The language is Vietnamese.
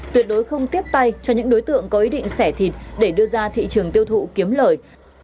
tuyệt đối không tiếp tay cho những đối tượng có ý định sẻ thịt để đưa ra thị trường tiêu thụ kiếm lời